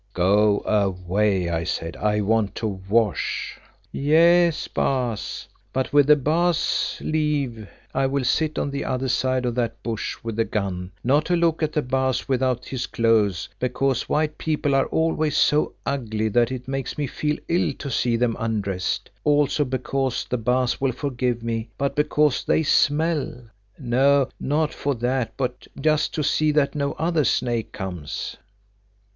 "Go away," I said, "I want to wash." "Yes, Baas, but with the Baas's leave I will sit on the other side of that bush with the gun—not to look at the Baas without his clothes, because white people are always so ugly that it makes me feel ill to see them undressed, also because—the Baas will forgive me—but because they smell. No, not for that, but just to see that no other snake comes."